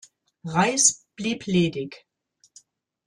Reiss blieb ledig.